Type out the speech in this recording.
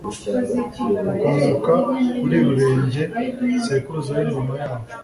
bakomoka kuri Rurenge sekuruza w'Ingoma yabo.